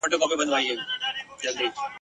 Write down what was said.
یوازي والی !.